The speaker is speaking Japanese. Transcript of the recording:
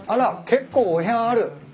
結構お部屋ある。